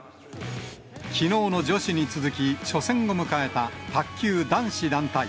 きのうの女子に続き、初戦を迎えた卓球男子団体。